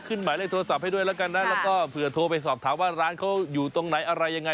หมายเลขโทรศัพท์ให้ด้วยแล้วกันนะแล้วก็เผื่อโทรไปสอบถามว่าร้านเขาอยู่ตรงไหนอะไรยังไง